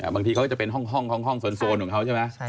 บางทีเขาก็จะเป็นห้องโซนของเขาใช่ไหม